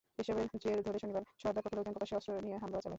এসবের জের ধরে শনিবার সরদার পক্ষের লোকজন প্রকাশ্যে অস্ত্র নিয়ে হামলা চালায়।